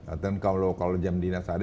artinya kalau jam dinas ada